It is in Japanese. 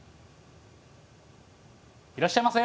いらっしゃいませ！